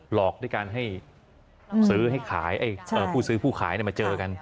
หลอกด้วยการให้ผู้ซื้อผู้ขายมาเจอกัน